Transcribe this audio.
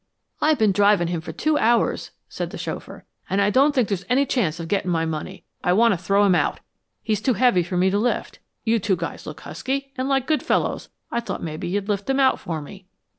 "I've been driving him for two hours," said the chauffeur, "and I don't think there's any chance of getting my money. I want to throw him out. He's too heavy for me to lift. You two guys look husky, and like good fellows, so I thought maybe you'd lift him out for me."